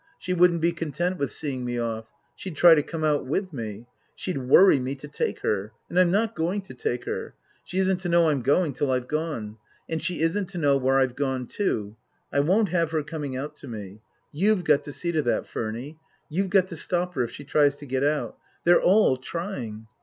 She wouldn't be content with seeing me off. She'd try to come out with me. She'd worry me to take her. And I'm not going to take her. She isn't to know I'm going till I've gone. And she isn't to know where I've gone to. I won't have her coming out to me. You've got to see to that, Furny. You've got to stop her if she tries to get out. They're all trying.